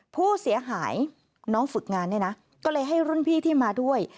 ผู้เสียหายน้องฝึกงานเนี่ยนะก็เลยให้รุ่นพี่ที่มาด้วย